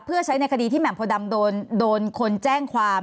เพื่อใช้ในคดีที่แหม่โพดำโดนคนแจ้งความ